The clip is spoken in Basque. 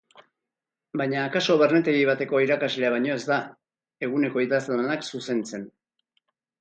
Baina akaso barnetegi bateko irakaslea baino ez da, eguneko idazlanak zuzentzen.